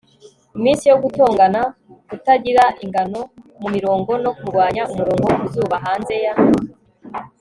iminsi yo gutongana kutagira ingano mumirongo no kurwanya-umurongo ku zuba hanze ya